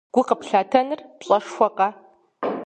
Гу къыплъатэныр пщӀэшхуэкъэ!